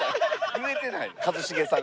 言えてない一茂さんが。